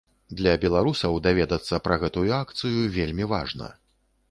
Для беларусаў даведацца пра гэтую акцыю вельмі важна.